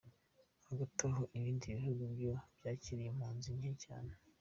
Hagati aho ibindi bihugu byo byakiriye impunzi nke cyane.